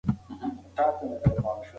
که وطن وي نو کډوال نه کیږي.